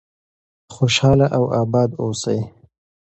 خوشحاله او آباد اوسئ.